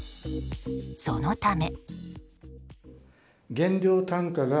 そのため。